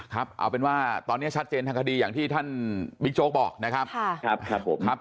ครับเอาเป็นว่าตอนนี้ชัดเจนทางคดีอย่างที่ท่านบิ๊กโจ๊กบอกนะครับครับผมครับ